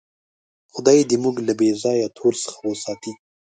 خدای دې موږ له بېځایه تور څخه وساتي.